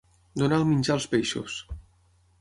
Donar el menjar als peixos.